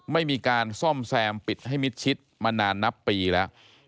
ไม่มีการซ่อมแซมปิดให้มิดชิดมานานนับปีแล้ว